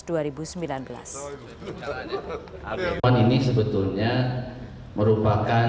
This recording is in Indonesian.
pertemuan ini sebetulnya merupakan